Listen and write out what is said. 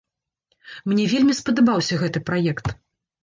Мне вельмі спадабаўся гэты праект.